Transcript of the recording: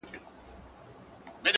هسي نه سبا پښېمانه سی یارانو -